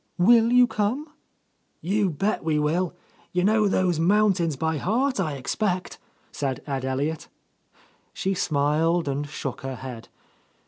Will you come?" "You bet we will I You know those mountains by heart, I expect?" said Ed Elliot. She smiled and shook her head.